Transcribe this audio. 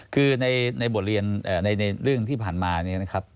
คือในบทเรียนในเรื่องที่ผ่านมาเนี่ยนะครับ